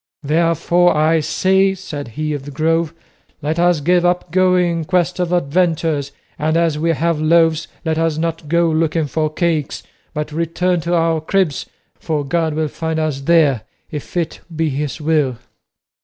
"Therefore, I say," said he of the Grove, "let us give up going in quest of adventures, and as we have loaves let us not go looking for cakes, but return to our cribs, for God will find us there if it be his will."